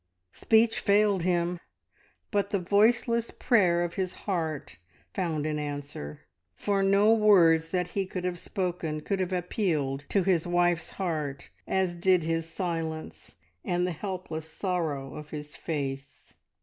Speech failed him; but the voiceless prayer of his heart found an answer, for no words that he could have spoken could have appealed to his wife's heart as did his silence and the helpless sorrow of his face.